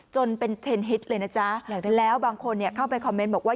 จนเป็นเทรนดฮิตเลยนะจ๊ะแล้วบางคนเข้าไปคอมเมนต์บอกว่า